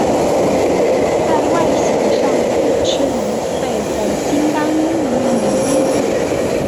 在外形上绿翅与绯红金刚鹦鹉很接近。